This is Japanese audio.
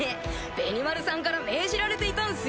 ベニマルさんから命じられていたんすよ。